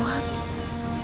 aku ingin kuat